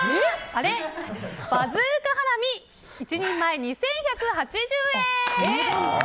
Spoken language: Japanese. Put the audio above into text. バズーカハラミ１人前２１８０円。